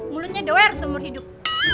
mulutnya doer seumur hidup